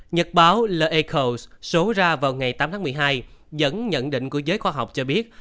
nhật báo lacros số ra vào ngày tám tháng một mươi hai dẫn nhận định của giới khoa học cho biết